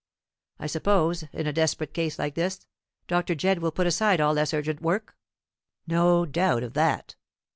I suppose, in a desperate case like this, Dr. Jedd will put aside all less urgent work?" "No doubt of that."